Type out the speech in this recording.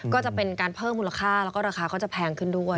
ก็จะเป็นการเพิ่มมูลค่าแล้วก็ราคาก็จะแพงขึ้นด้วย